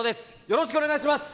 よろしくお願いします